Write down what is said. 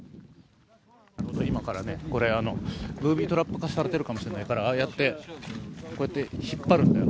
今からこれ、ブービートラップ化されているかもしれないから、ああやって引っ張るんだよ。